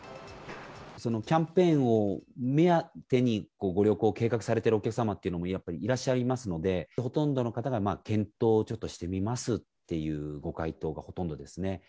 そのキャンペーンを目当てにご旅行を計画されているお客様というのもやっぱりいらっしゃいますので、ほとんどの方が検討をちょっとしてみますっていうご回答がほとんどですね。